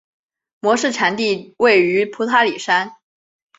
模式产地位于普塔里山。